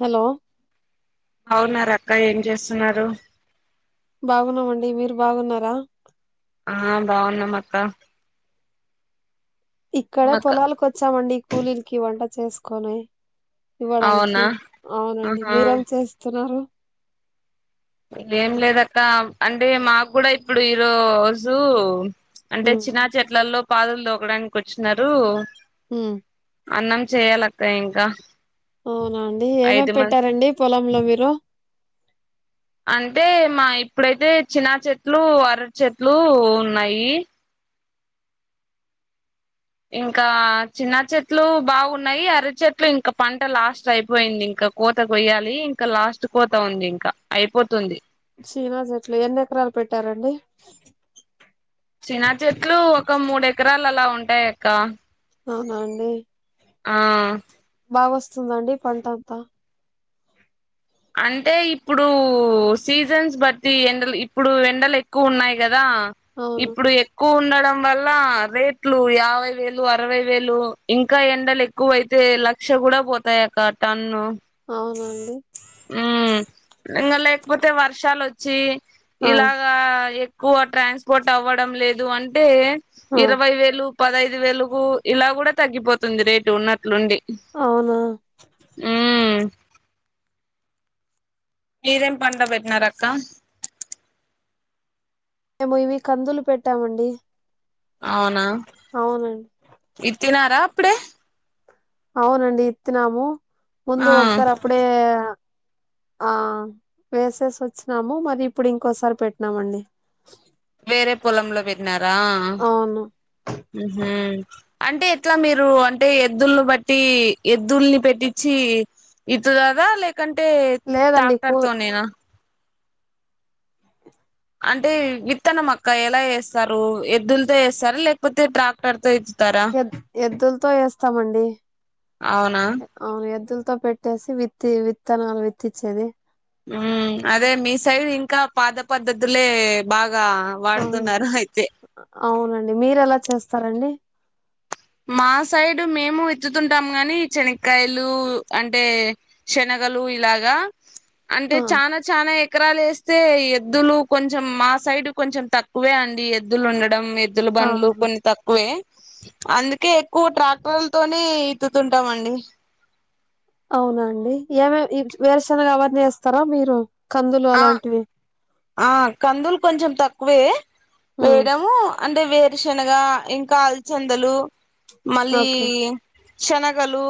Hello బాగున్నారా అక్క ఏం చేస్తున్నరు బాగున్నామండి మీరు బాగున్నారా ఆ బాగున్నం అక్క ఇక్కడే ఏమక్క పొలాలకు వచ్చామండి కూలీలకి వంట చేసుకొని ఇవ్వడానికి అవునా అవునండి ఆహా మీరేమి చేస్తున్నారు ఏం లేదక్క అంటే మాకు కూడా ఇప్పుడు ఈరోజు అంటే హ్మ్ చినా చెట్లల్లో పాదులు దోకడానికి వచ్చినరూ హ అన్నం చేయాలక్క ఇంకా అవునా అండి ఏమేం ఐదు మంది పెట్టారండి పొలంలో మీరు అంటే మాయి ఇప్పుడైతే చిన్న చెట్లు అరటి చెట్లు ఉన్నాయి ఇంకా చిన్న చెట్లు బాగున్నాయి అర చెట్లు ఇంకా పంట లాస్ట్ అయిపోయింది ఇంకా కోత కొయ్యాలి ఇంకా లాస్ట్ కోత ఉంది ఇంకా అయిపోతుంది చీనా చెట్లు ఎన్ని ఎకరాలు పెట్టారండి చిన చెట్లు ఒక మూడు ఎకరాలు అలా ఉం టయక్క ఔనాండి ఆ బాగా వస్తుందండి పంట అంతా అంటే ఇప్పుడు సీజన్స్ బట్టి ఎండలు ఇప్పుడు ఎండలు ఎక్కువ ఉన్నాయి కద దా అవును ఇప్పుడు ఎక్కువ ఉన్న డం వల్ల రేట్లు యాభై వేలు అరవై వేలు ఇంకా ఎండలు ఎక్కువ అయితే లక్ష కూడా పోతాయి అక్క టన్ను అవునా అండి ఉ ఇంగ లేకపోతే వర్షాలు వచ్చి ఆ ఇలాగా ఏ క్కువ ట్రాన్స్పోర్ట్ అవ్వడం లేదు అంటే ఆ ఇరవై వేలు పదైదు వేలకు ఇలా కూడా తగ్గిపోతుంది రేటు ఉన్నట్లుండి అవునా మ్మ్ మీరేం పంట పెట్టినారక్క మేము ఇవి కందులు పేట్టామండి అవునా ఇత్తినార ఇప్పుడే అవునండి ఇత్తినాము ముందు ఆ ఒకసారి అప్పుడే ఆ వేసేసి వచ్చినాము మరి ఇప్పుడు ఇంకోసారి పెట్టినామండి వేరే పొలంలో పెట్నారు రా అవును ఉహూ అంటే ఎట్లా మీరు అంటే ఎద్దుల్ని బట్టి ఎద్దుల్ని పెట్టించి ఇత్తుతార లే కంటే లేదండి కూ టాక్టర్ తోనేనా అంటే విత్తనం అక్క ఎలా ఏస్తారు ఎద్దులతో ఏస్తార లేకపోతే ట్రాక్టర్తో వే ఎద్ ఎద్దులతో వేస్తామండి అవునా అవును ఎద్దుల్ తోపెట్టేసి విత్తి విత్తనాలు వెత్తిచ్చేది ఉ అదే మీ సైడ్ ఇంకా పాత పద్ధతులే బాగ్ ఆ అవునండి మీరెలా చేస్తారండి మా సైడు మేము ఎత్తుతుంటాము కాని శనక్కాయలు అంటే శనగలు ఇలాగా అంటే ఆ చానా చానా ఎకరాలు వేస్ తే ఎద్దులు కొంచెం మా సైడ్ కొంచెం తక్కువే అండి ఎద్దులు ఉండడం మీ ఎద్దులు ఆ బండ్లు కొన్ని తక్కువే అందుకే ఎక్కువ ట్రాక్టర్లతోనే ఇత్తుతుంటామండి అవునా అండి ఏమే వేరుశనగా అవన్ని వేస్తార మీరు కందులు ఆ అలాంటివి ఆ కందులు కొంచెం తక్కువే ఉమ్ వేగము అంటే వేరుశనగ ఇంకా అలచందలు మళ్ళీ ఓకే శనగలూ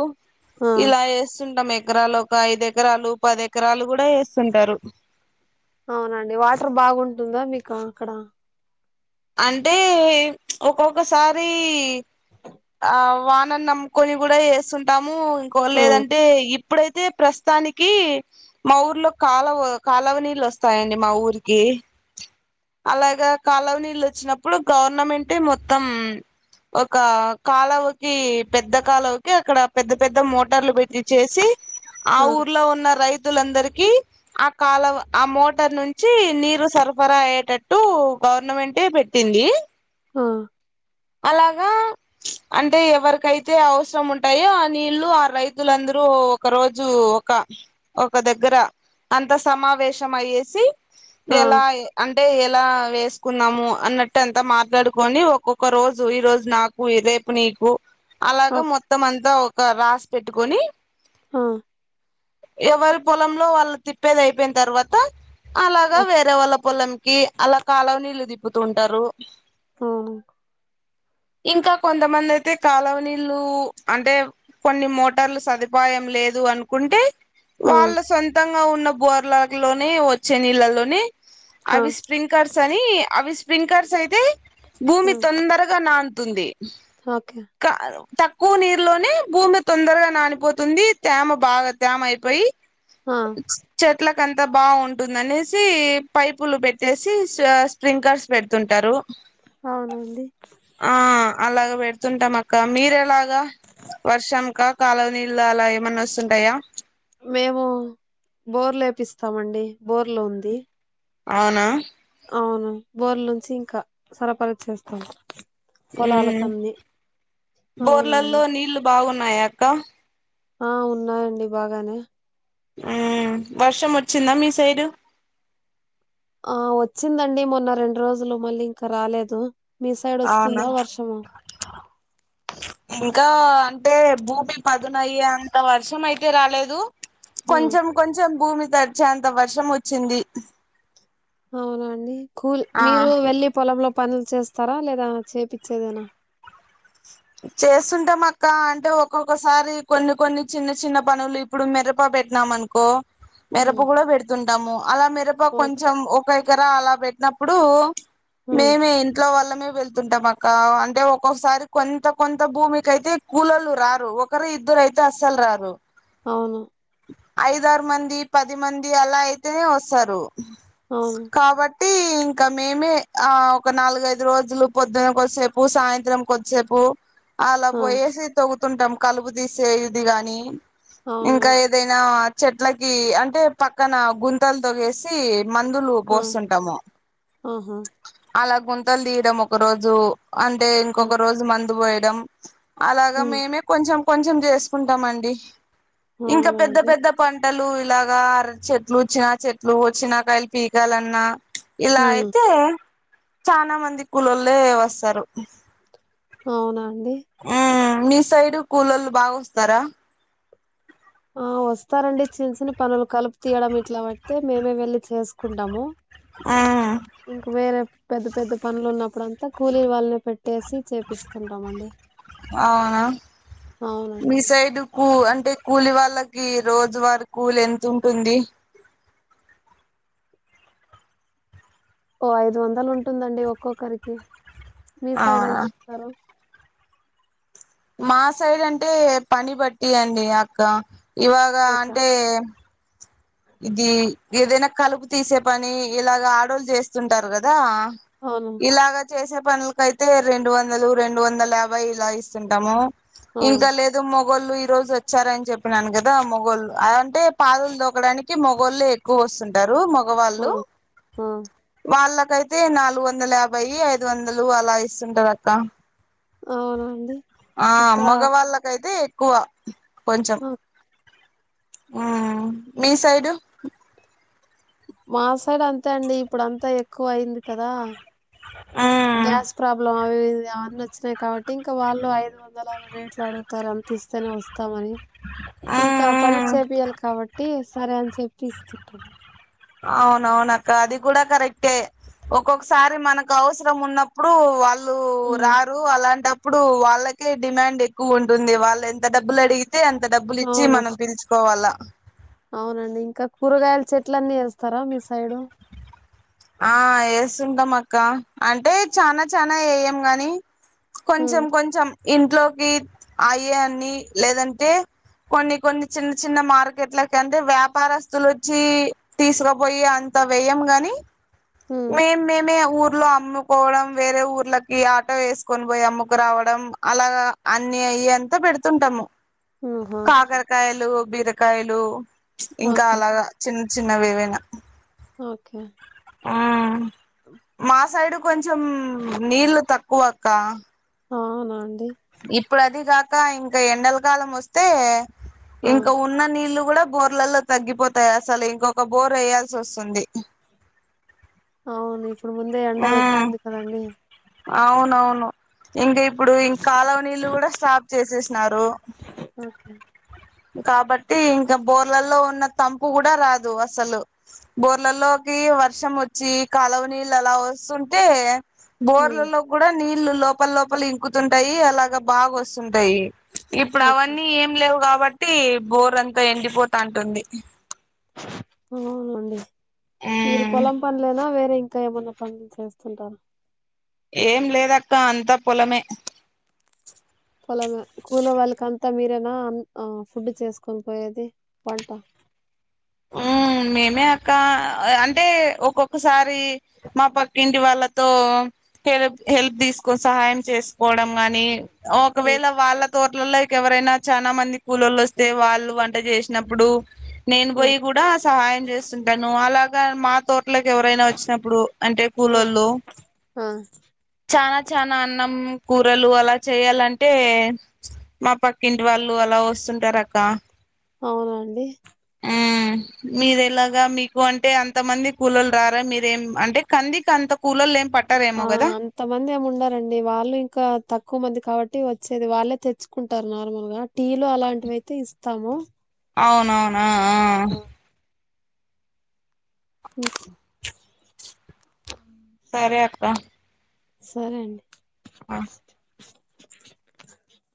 ఆ ఇలా వేస్తుంటాం మేం ఎకరాలు ఒక ఐదు ఎకరాలు పది ఎకరాలు కూడా వేస్తుంటారు అవునండి వాటర్ బాగుంటుందా మీకు అక్కడ అంటే ఒక్కొక్కసారీ ఆ వానని నమ్ముకొని కూడా వేస్తుంటాం మోఇంకో ఆ లేదంటే ఇ అప్పుడైతే ప్రస్తానికి మా ఊర్లో కాలవ కాలవ నీళ్ళు వస్తాయండి మా ఊరికి అలాగా కాలవ నీళ్ళు వచ్చినప్పుడు గవర్నమెంటే మొత్తం ఒక కాలవకి పెద్ద కాలవకి అక్కడ పెద్ద పెద్ద మో టర్లు పెట్టి చేసి ఆ ఊర్లో ఉన్న రైత్ వధలందరిక ఆ కాల ఆ మోటార్ నుంచి నీరు సరఫరా అయ్యేటట్టు గవర్నమెంటట్ే పెట్టింది [unintelligible] ఆ అలాగా అంటే ఎవరికైతే అవసరం ఉంటయో నీళ్ళు ఆ రైతులందరూ ఒక రోజు ఒక ఒక దగ్గర అంత సమావేశం అయ్యేసి ఆ ఎలా ఎ అంటే ఎలా వేసుకున్నాము అన్నట్టు అంతా మాట్లాడుకొని ఒక్కొక్ ఒక రోజు ఈ రోజు నాకు రేపు నీకు అలాగా ఓకే మొత్తం అంతా ఒక రాష్ట్ర పెట్టుకొని ఆ ఎవరి పొలంలో వాళ్ళు తిప్పేది అయిపోయిన తర్వాత అలాగా ఓకే వేరే వాళ్ళ పొలం క అలా కాాలవ నీళ్ళు ది త్గుతుంటారు హ ఇంకా కొంతమంది అయితే కాాలవ నీళ్ళు అంటే కొన్ని మోటార్లు సదుపాయం లేదు అనుకుంటే ఆ వాళ్ళ సొంతంగా ఉన్న బోర్లా లోని వచ్చే నీళ్ళలోని ఆ అవి స్ప్రింకర్స్ అని అవి స్ప్రింకర్స్ అయితే భూమి తొందరగా నా తుంది ఓకే క తక్కువ నీరులోనే భూమి తొందరగా నానిపోతుంది తేమ బాగా తేమ అయిపోయి ఆ చె అట్లకంత బాగుంటుందనేసి పైపులు పెట్టేసి స్ప్రింక్లర్స్ పెడుతుంటారు అవునండి ఆ అలాగ పెడుతుంటాం అక్క మీర ఎలాగా వర్షాంకా కాలవ నీళ్ళ అలా ఏమన్నా వస్తుంటాయా మేము బోర్ లేపిస్తామండి బోర్లు ఉంది అవునా అవును బోర్ నుంచి ఇంకా సరఫరా చేస్తాం పొలాలకన్ని బోర్లలో అవునండి నీళ్లు బాగున్నా న్నాయాక్క ఆ ఉన్నాయండి బాగానే ఆ వర్షం వచ్చిందా మీ సైడు ఆ వచ్చిందండి మొన్న రెండు రోజులు మళ్ళీ ఇంకా రాలేదు మీ సైడ్ అవునా వస్తుందా వర్షమా ఇంకా అంటే భూమి పదునయ అంత వర్షం అయితే రాలేదు ఉమ్ కొంచెం కొంచెం భూమి దరిచే అంత వర్షం వచ్చింది అవునండి కూల్ ఆ మీరు వెళ్లి పొలంలో పనులు చేస్తారా లేదా చేపచ్చేదేనా చేస్తుంటాం అక్క అంటే ఒక్కొక్కసారి కొన్ని కొన్ని చిన్న చిన్న పనులు ఇప్పుడు మిరప పెట్టినాం అనుకో మిరప ఉమ్ కూడా పెడుతుంటాము అలా మిరప ఓకే కొంచెం ఒకైక్క అలా పెట్టినప్పుడు ఉమ్ మేమే ఇంట్లో వాళ్ళ వెళ్తుంటాం అక్క అంటే ఒక్కొసారి కొంత కొంత భూమికియితే కూలలు రారు ఒకరు ఇద్దరు అయితే అస్సలు రారు అవును ఐదరు మంది పది మంది అలా అయితేనే వస్తారు అవును కాబట్ టే ఇంకా మేమే ఆ ఒక నాలుగైదు రోజులు పొద్దున కొద్దిసేపు సాయంత్రం కొద్దిసేపు అలా ఆ పో ఏసి తగు వస్తుంటాం కలుపు తీసేది గాని ఇంకా అవునా ఏదైనా చెట్లకి అంటే పక్కన గుంతలతోగేసి మందులు ఆ పోస్తుంటాము ఆహా అలా గుంతలు తీయడం ఒక రోజు అంటే ఉమ్ ఇంకొక రోజు మందు పోయ ఇడం అలాగా ఉమ్ మేమే కొంచెం కొంచెం చేసుకుంటామండి ఇంకా అవునా పెద్ద అండి పెద్ద పంటలు ఇలాగా అర చెట్లు వచ్చినా చెట్లు వచ్చినా కాయలు పీకాలన్నా ఇలా హ్మ్ అయితే చనా మంది కూలలే వస్తారు అవునా అంది మ్మ్ మీ సైడ్ కూలలు బాగా వస్తారా ఆ వస్తారంండి చిన్న చిన్న పనులు కలుపు తీయడం ఇట్లా బట్టి మేమే వెళ్లి చేసుకుంటాము ఇంకా వేర పెద్ద పెద్ద పనులు ఉన్నప్పుడు అంతా కూలీ వాళ్ళని పెట్టేసి చేపిస్తుంటామండి అవునా అవునండి మీ సైడ్ కూ అంటే కూలి వాళ్ళ లాకి రోజు వర కూ ఎంత ఉంటుంది ఓ ఐదు వందలు ఉంటుందండి ఒక్కొక్కరికి మీ సైడ్ అవునా ఎంత ఇస్తారు మా సైడ్ అంటే పని బట్టి అండి అక్క ఇవాగ ఓకే అంటే ఇది ఏదైనా కలుపు తీసే పని ఇలాగ ఆడోళ్లు చేస్తుంటారు కదా అవును ఇలాగ చేసే పనుల్కేతే రెండు వందలు రెండు వందల యాభై ఇలా ఇస్తుంటాము ఆ ఇంకా లేదు మొగళ్ళు ఈ రోజు వచ్చారని చెప్పినాను కదా మొగళ్ళు అ అంటే పాదులు దోకడానికి మగళ్ళ ఎక్కువ వస్తుంటారు ఆ మగవాళ్ళు ఆ వాళ్ళకైతే నాలుగు వందల యాభై ఐదు వందలు అలా ఇస్తుంటారు అక్క అవునండి ఆ మగ వాళ్ళకైతే కో కొంచెం ఆ! ఉ మీ సైడ్ మా సైడ్ అంతే అండి ఇప్పుడు అంతా ఎక్కువ అయింది కదా గ్యాస్ ప్రాబ్లమ్ అవి అవన్నీ వచ్చినాయి కాబట్టి ఇంకా వాళ్ళు ఐదు వందల రేట్లు అడుగుతారు అంత ఇస్తేనే వస్తామని ఇంకా పనిర్సేబ కాబట్టి సరే అని చెప్పి ఇస్తుంటారు అవునవునక్క అది కూడా కరెక్టే ఒక్కొక్కసారి మనకు అవసరం ఉన్నప్పుడు వాళ్ళ లూ హ్మ్. రారు అలాంటప్ ఇప్పుడు వాళ్ళకే డిమాండ్ ఎక్కు ఉంటుంది వాళ్ ఎంత డబ్బులు అడిగి తే అంత డబ్బులు ఇచ్చి అవును. మనం పిల్చుకోవాలా అవునండి ఇంకా కూరగాయల చెట్లన్నీ యేస్తారా మీ సైడు ఆ ఏస్తుంటాం అక్క అంటే చానా చానా వేయం గాని హ్మ్. కొంచం కొంచం ఇంట్లోకి అయే అన్ని లేదంటే కొన్ని కొన్ని చిన్న చిన్న మార్కెట్లకి అంటే వ్యాపారస్తులులొచ్చి తీసుకుపోయే అంత వేయం గని హ్మ్. మేం మేమే ఊర్లో అ అమ్ముకోవడం వేరే ఊర్లకి ఆటో వేసుకొని పోయి అమ్ముకు రావడం అలాగా అన్ని అయ్యే అంతా పెడుతుంటాము. ఆహా! కాకరకాయలు బీర కాయలు ఇంకా ఓకే. అలాగా చిన్ చిన్నవేవయిన ఓకే ఆ మా సైడు కొంచం నీళ్లు తక్కు అక్కా అవునా ఇప్పుడు అదీ గా ఇంకా ఇంకా ఎండలకాలం వస్తే ఆ! ఇంకా ఉన్న నీళ్ళు కూడా బోర్లలో తగ్గిపోతయి, అసలు ఇంకొక బోర్ ఏయాల్సి వస్తుంది. అవునిఫ్ ఇప్పుడు, ముందే ఎండ మ్మ్ ఎక్కువ ఉంది కదండీ. అవునవును, ఇంక ఇప్పుడు ఇం కాలవ నీళ్ళు కూడా స్టాప్ చేసేసినారు. ఓకే రా కాబట్టి ఇంకా బోర్లలో ఉన్న తంపు గుడా రాదు అస్సలు. బోర్లలోకి వర్షం వచ్చి కాలవ నీళ్ళు అలా వస్తుంటే. హ్మ్. బోర్లల్లోగ్గుడా నీల్ ళ్ళు లోపల లోపల ఇంకుతుంటయి, అలాగా బాగా వస్తుంటయి. ఇప్పుడు ఓకే. అవన్నీ ఏం లేవు కాబట్ తి బోర్ అంతా ఎండిపోతా అంటుంది. అవునండి. మీరు పొలం పనులేన? వేరే? ఇంకా, ఏమన్నా పనులు చేస్తుంటారా? ఏం లేదక్క, అంతా పొలమే. పొలమే, కూలో వాళ్ళకి అంతా మీరేనా అన్ ఆ ఫుడ్ చేసుకొని పోయేది వంట? హ్ మేమే అక్క అంటే, ఒక్కొక్కసారి మా పక్కింటి వాళ్ళతో, హెలప్ హెల్ప్ తీసుకో సహాయం చేసుకోవడం గాని ఆ ఒకవేళ వాళ్ళత్ తోట్లోల్లకి ఎవరైనా, చానా మంది కూలోల్లోస్తే వస్తే వాళ్ళు వంట చేసినప్పుడు నేను ఆ పోయి డా సహాయం చేస్తుంటాను. అలాగా మా తోటలకి ఎవరైనా వచ్చినప్పుడు అంటే కూలోళ్ళు ఆ చానా చానా అన్నం కూరలు అలా చేయాలంటే, మా పక్కింటి వాళ్ళు అలా వస్తుంటరు అక్క. అవునండి మీరెలాగా? మీకు అంటే అంతమంది కూలొళ్ళు రారా? మీరేం అంటే కందికి అంత కూలోళ్ళు ఏం పట్. పట్టారేమో గదా? తమంది ఏం ఉండరండి. వాళ్ళు ఇంకా తక్కువ మంది కాబట్టి వచ్చేది వాళ్ళే తెచ్చుకుంటారు నార్మల్ గా. టీలు అలాంటివయితే ఇస్తాము. అవునవును. ఆ ఆ ఇంక్ సరే అక్కా. సరే అండి. ఆ